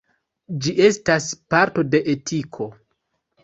Ĝi estas parto de etiko.